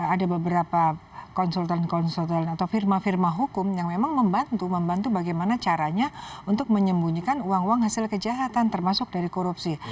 ada beberapa konsultan konsultan atau firma firma hukum yang memang membantu membantu bagaimana caranya untuk menyembunyikan uang uang hasil kejahatan termasuk dari korupsi